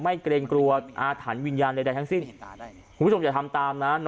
เกรงกลัวอาถรรพ์วิญญาณใดทั้งสิ้นคุณผู้ชมอย่าทำตามนั้น